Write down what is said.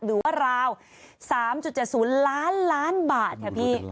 ดูราว๓๗๐ล้านล้านบาทค่ะพี่